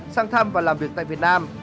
sang thăm và làm việc tại việt nam